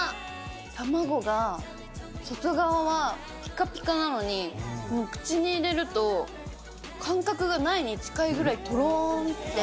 卵が、外側はぴかぴかなのに、もう口に入れると感覚がないに近いぐらい、とろーんって。